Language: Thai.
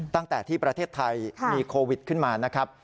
ตั้งแต่ที่ประเทศไทยมีโควิดขึ้นมานะครับ